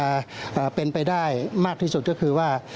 จะเป็นไปได้มากที่สุดก็คือว่า